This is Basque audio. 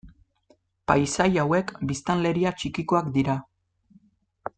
Paisai hauek biztanleria txikikoak dira.